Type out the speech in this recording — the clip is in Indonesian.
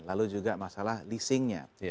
lalu juga masalah leasingnya